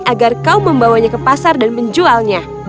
agar kau membawanya ke pasar dan menjualnya